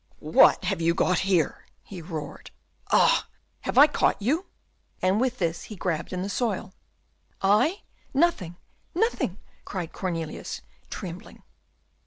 "What have you got here?" he roared. "Ah! have I caught you?" and with this he grabbed in the soil. "I? nothing, nothing," cried Cornelius, trembling.